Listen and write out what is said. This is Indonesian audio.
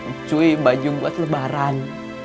ncuy baju buat lebaran